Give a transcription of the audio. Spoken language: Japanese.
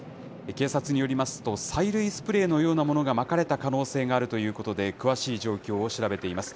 警察によりますと、催涙スプレーのようなものがまかれた可能性があるということで、詳しい状況を調べています。